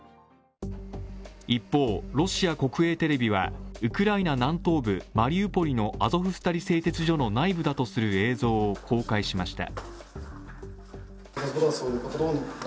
一方、ロシア国営テレビはウクライナ南東部マリウポリのアゾフスタリ製鉄所の内部だとする映像を公開しました。